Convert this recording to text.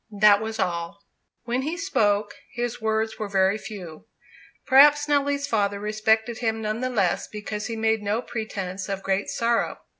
That was all. When he spoke, his words were very few. Perhaps Nelly's father respected him none the less because he made no pretence of great sorrow.